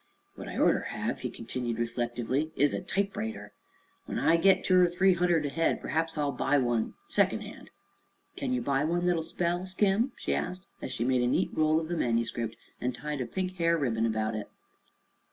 "What I orter hev," he continued, reflectively, "is a typewriter. When I git two er three hunderd ahead perhaps I'll buy one secondhand." "Kin ye buy one thet'll spell, Skim?" she asked, as she made a neat roll of the manuscript and tied a pink hair ribbon around it.